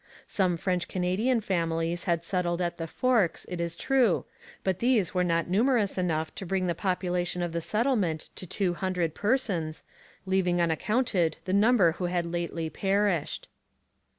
Some French Canadian families had settled at 'the Forks,' it is true, but these were not numerous enough to bring the population of the settlement to two hundred persons, leaving uncounted the number who had lately perished.